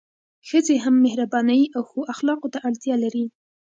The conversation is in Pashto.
ښځي هم مهربانۍ او ښو اخلاقو ته اړتیا لري